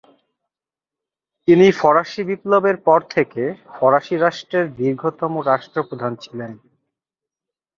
তিনি ফরাসি বিপ্লবের পর থেকে ফরাসি রাষ্ট্রের দীর্ঘতম রাষ্ট্র প্রধান ছিলেন।